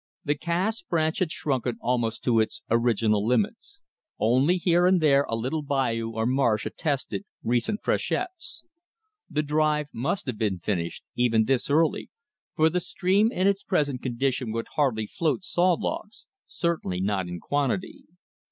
The Cass Branch had shrunken almost to its original limits. Only here and there a little bayou or marsh attested recent freshets. The drive must have been finished, even this early, for the stream in its present condition would hardly float saw logs, certainly not in quantity.